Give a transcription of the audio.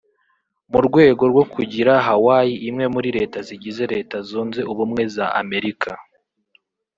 mu rwego rwo kugira Hawaii imwe muri Leta zigize Leta zunze ubumwe za Amerika